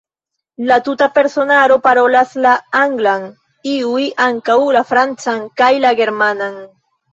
La tuta personaro parolas la anglan, iuj ankaŭ la francan kaj la germanan.